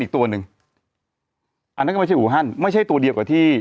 อีกตัวหนึ่งอันนั้นก็ไม่ใช่อูฮันไม่ใช่ตัวเดียวกับที่